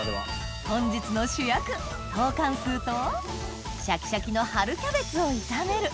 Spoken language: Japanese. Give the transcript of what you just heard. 本日の主役トーカンスーとシャキシャキの春キャベツを炒める